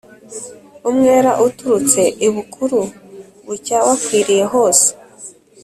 Umwera uturutse I Bukuru ,bucya wakwiriye hose